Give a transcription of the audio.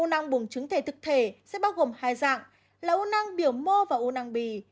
năng bùng trứng thể thực thể sẽ bao gồm hai dạng là u năng biểu mô và u năng bì